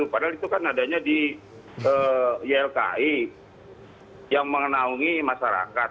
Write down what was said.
padahal itu kan adanya di ylki yang menaungi masyarakat